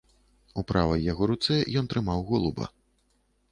У правай яго руцэ ён трымаў голуба.